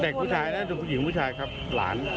เด็กผู้ชายผู้หญิงผู้ชายครับหลาน